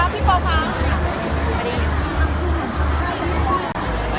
ขอโทษนะคะพี่พะ